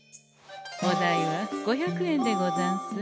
お代は５００円でござんす。